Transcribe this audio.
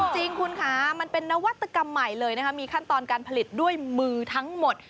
จริงคุณคะมันเป็นนวัตกรรมใหม่เลยนะคะมีขั้นตอนการผลิตด้วยมือทั้งหมด